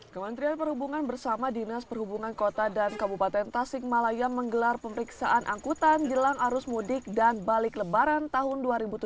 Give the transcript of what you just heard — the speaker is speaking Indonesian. kementerian perhubungan bersama dinas perhubungan kota dan kabupaten tasikmalaya menggelar pemeriksaan angkutan jelang arus mudik dan balik lebaran tahun dua ribu tujuh belas